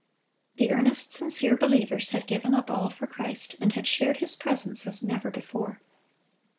The earnest, sincere believers had given up all for Christ, and had shared His presence as never before.